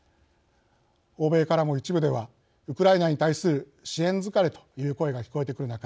欧米からも一部ではウクライナに対する支援疲れという声が聞こえてくる中